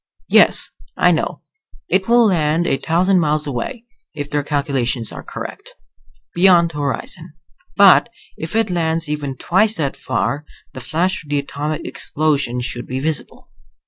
Yes, I know, it will land a thousand miles away, if their calculations are correct. Beyond the horizon. But if it lands even twice that far the flash of the atomic explosion should be visible.